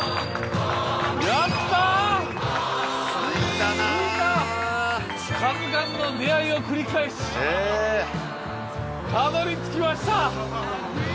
着いたなあ数々の出会いを繰り返しええたどり着きました！